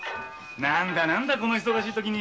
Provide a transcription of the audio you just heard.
何だ何だこの忙しいときに。